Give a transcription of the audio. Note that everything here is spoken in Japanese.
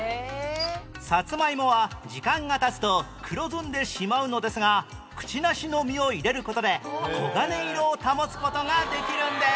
サツマイモは時間が経つと黒ずんでしまうのですがくちなしの実を入れる事で黄金色を保つ事ができるんです